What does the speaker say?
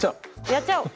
やっちゃおう！